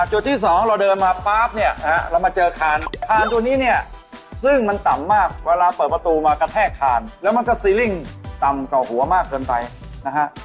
จุดที่สองเราเดินมาป๊าบเนี่ยนะฮะเรามาเจอคานคานตัวนี้เนี่ยซึ่งมันต่ำมากเวลาเปิดประตูมากระแทกคานแล้วมันก็ซีริ่งต่ำกว่าหัวมากเกินไปนะฮะ